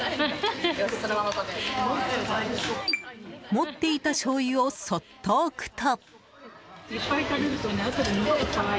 持っていたしょうゆをそっと置くと。